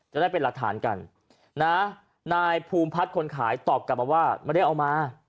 จะได้เป็นหลักฐานกันนะนายภูมิพัฒน์คนขายตอบกลับมาว่าไม่ได้เอามา